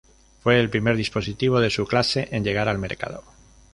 Fue el primer dispositivo de su clase en llegar al mercado.